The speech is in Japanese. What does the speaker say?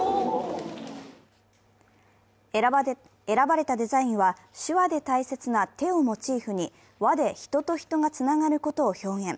選ばれたデザインは、手話で大切な手をモチーフに輪で人と人がつながることを表現。